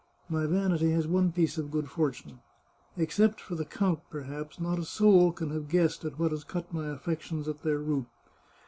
... My vanity has one piece of good fortune. Except for the count, perhaps, not a soul can have guessed at what has cut my affections at their root.